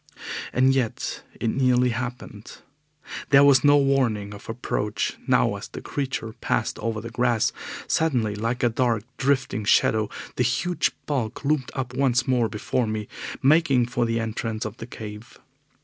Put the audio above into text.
And yet it nearly happened. There was no warning of approach now as the creature passed over the grass. Suddenly, like a dark, drifting shadow, the huge bulk loomed up once more before me, making for the entrance of the cave.